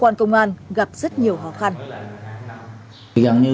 anh có gia đình giàu